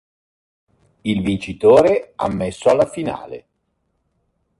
Il vincitore ammesso alla finale.